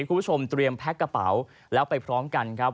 คุณผู้ชมเตรียมแพ็คกระเป๋าแล้วไปพร้อมกันครับ